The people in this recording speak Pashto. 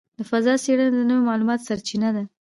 د فضاء څېړنه د نوو معلوماتو سرچینه ده.